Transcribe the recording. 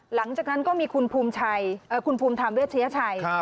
หลังจากนั้นก็มีคุณพุมทำเว็บเทียชัย